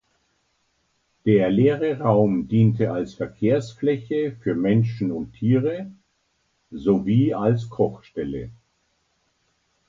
Der leere Raum diente als Verkehrsfläche für Menschen und Tiere sowie als Kochstelle.